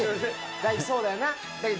大貴、そうだよな。